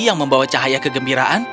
yang membawa cahaya kegembiraan